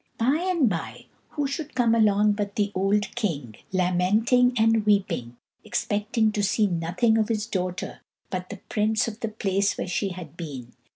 By and by, who should come along but the old king, lamenting and weeping, expecting to see nothing of his daughter but the prints of the place where she had been.